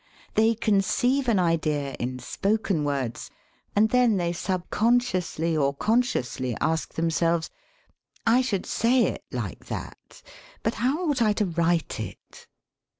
They conceive an idea in spoken words, and then they subconsciously or consciously ask themselves: "I should say it like that — but how ought I to write it?"